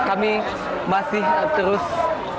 kami masih terus menanti